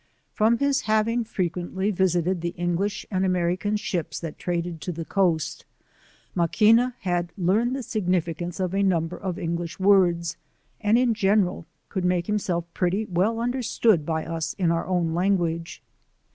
From his having frequently visited the English and American ships that traded to the coasts Maquina had learned the signification of a num ' ber of English words, and in general could make himself pretty well understood by us in our own language.